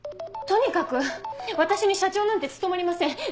とにかく私に社長なんて務まりません